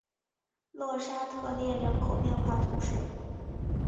勒沙特列人口变化图示